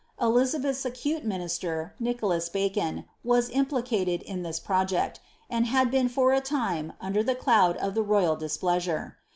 Elizabeth'^s acute minister, Nicholas Bacon, vas implicated' in this project, and had been for a time under the cloud of the royal displeasure.